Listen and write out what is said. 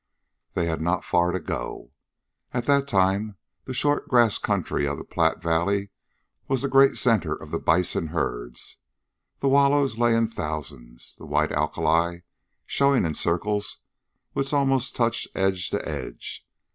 They had not too far to go. At that time the short grass country of the Platte Valley was the great center of the bison herds. The wallows lay in thousands, the white alkali showing in circles which almost touched edge to edge.